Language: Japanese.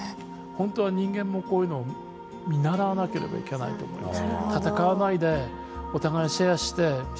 ほんとは人間もこういうのを見習わなければいけないと思います。